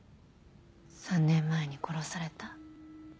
３年前に殺された。